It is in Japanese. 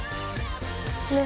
ねえ